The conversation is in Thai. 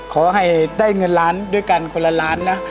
ขอให้ได้เงินล้านด้วยกันคนละล้านนะ